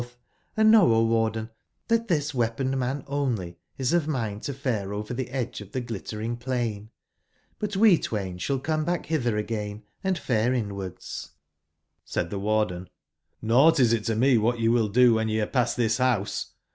Hnd know, O (Harden, tbat tbis weaponed manonlyisof mind to fare over tbe edge of tbe 6 littering plain ; but we 107 twain shall come back bitbcr again, & fare inwards" jpSaid tbe (Harden: ''J^ougbt is it to me wbat ye will do wben ye are past tbis bouse.